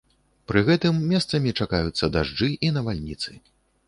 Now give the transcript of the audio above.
Пры гэтым месцамі чакаюцца дажджы і навальніцы.